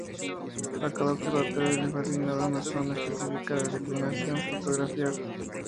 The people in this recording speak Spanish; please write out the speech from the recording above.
A cada observatorio le fue asignada una zona específica de declinación a fotografiar.